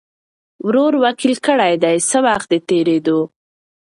ورور وکیل کړي دی څه وخت د تېریدو